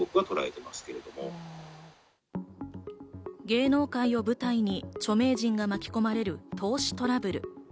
芸能界を舞台に著名人が巻き込まれる投資トラブル。